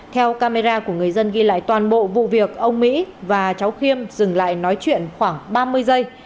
theo camera của người dân ghi lại toàn bộ vụ việc ông mỹ và cháu khiêm dừng lại nói chuyện khoảng ba mươi giây